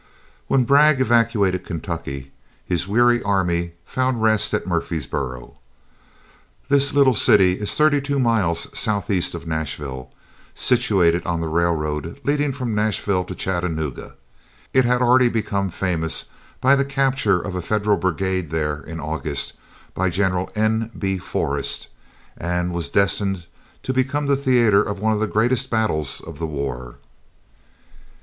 WHEN Bragg evacuated Kentucky his weary army found rest at Murfreesboro. This little city is thirty two miles southeast of Nashville, situated on the railroad leading from Nashville to Chattanooga. It had already become famous by the capture of a Federal brigade there in August, by General N. B. Forrest, and was destined to become the theatre of one of the greatest battles of the war.